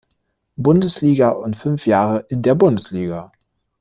Bundesliga und fünf Jahre in der Bundesliga.